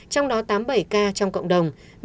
trong đó tám mươi bảy ca trong cộng đồng